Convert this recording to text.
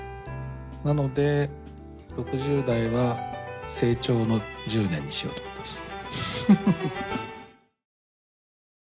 なので、６０代は成長の１０年にしようと思っています。